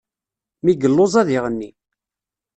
Mi yelluẓ ad iɣenni.